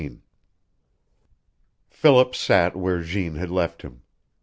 XIV Philip sat where Jeanne had left him.